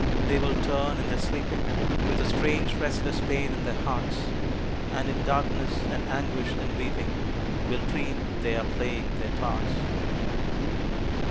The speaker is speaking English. they will turn in their sleeping With a strange restless pain in their hearts, And in darkness, and anguish and weeping, Will dream they are playing their parts.